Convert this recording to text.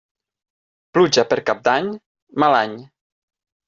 Pluja per Cap d'any, mal any.